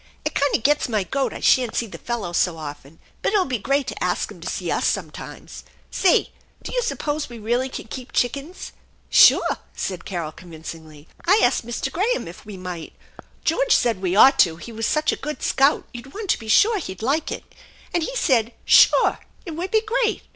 It kind of gets my goat I sha'n't see the fellows so often, but it'll be great to ask 'em to see us sometimes. Say, do you suppose we really can keep chickens ?"" Sure !" said Carol convincingly. " I asked Mr. Graham if we might, George said we ought to, he was such a good scout you'd want to be sure he'd like it, and he said, c Sure, it would be great.'